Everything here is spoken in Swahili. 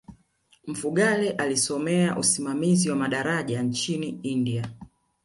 mfugale alisomea usimamizi wa madaraja nchini india